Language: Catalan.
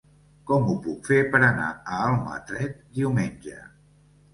Com ho puc fer per anar a Almatret diumenge?